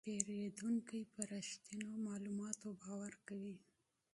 پیرودونکی په رښتینو معلوماتو باور کوي.